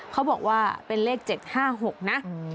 เขาบอกว่าเป็นเลข๗๕๖นะ